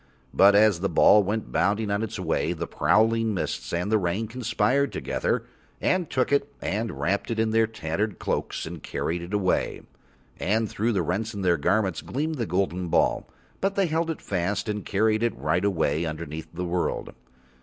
But as the ball went bounding on its way, the prowling mists and the rain conspired together and took it and wrapped it in their tattered cloaks and carried it away. And through the rents in their garments gleamed the golden ball, but they held it fast and carried it right away and underneath the world.